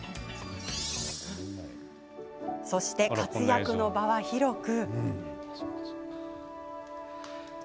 そして活躍の場は広く。